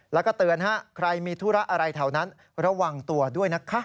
แล้วก็เตือนใครมีธุระอะไรแถวนั้นระวังตัวด้วยนะคะ